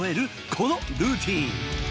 このルーティン。